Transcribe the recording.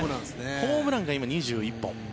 ホームランが今、２１本。